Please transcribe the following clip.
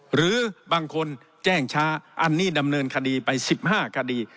หรือบางคนแจ้งช้าอันนี้ดำเนินคดีไป๑๕คดี